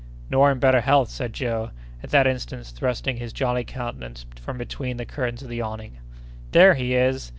"Nor in better health," said Joe, at that instant thrusting his jolly countenance from between the curtains of the awning. "There he is!